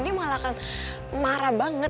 dia malah marah banget